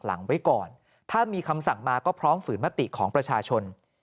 หลังไว้ก่อนถ้ามีคำสั่งมาก็พร้อมฝืนมติของประชาชน